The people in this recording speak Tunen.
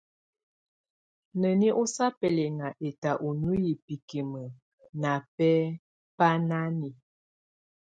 Nəni ɔsa bɛlinŋa ɛta ɔ nuiyi bikimə ná bɛ́ bánáni.